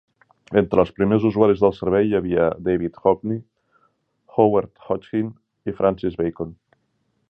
Entre els primers usuaris del servei hi havia David Hockney, Howard Hodgkin i Francis Bacon.